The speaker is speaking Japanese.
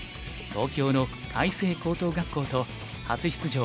東京の開成高等学校と初出場